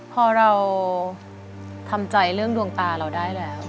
พอเราทำใจเรื่องดวงตาเราได้แล้ว